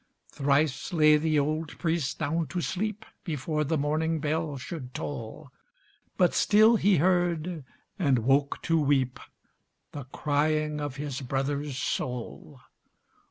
Thrice lay the old priest down to sleep Before the morning bell should toll; But still he heard—and woke to weep— The crying of his brother's soul.